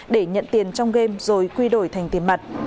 để nhận tiền trong game rồi quy đổi thành tiền mặt